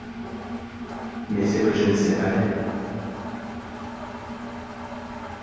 Mais c’est que je ne sais pas l’air.